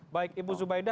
baik ibu zubaida